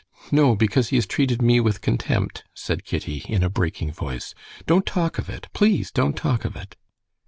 "No, because he has treated me with contempt," said Kitty, in a breaking voice. "Don't talk of it! Please, don't talk of it!"